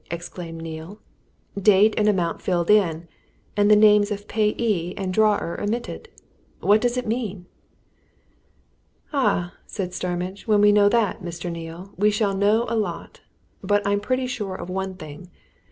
exclaimed Neale. "Date and amount filled in and the names of payee and drawer omitted! What does it mean?" "Ah!" said Starmidge, "when we know that, Mr. Neale, we shall know a lot! But I'm pretty sure of one thing.